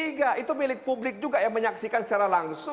itu milik publik juga yang menyaksikan secara langsung